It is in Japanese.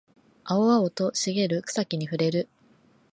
青々と茂る草木に触れる